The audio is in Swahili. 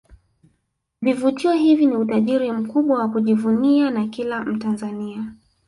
Vivutio hivi ni utajiri mkubwa wa kujivunia na kila Mtanzania